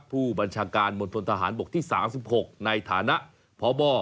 ผู้บัญชาการมณฑนทหารบกที่๓๖ในฐานะพบ